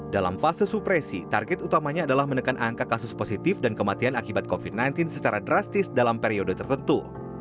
dalam fase supresi target utamanya adalah menekan angka kasus positif dan kematian akibat covid sembilan belas secara drastis dalam periode tertentu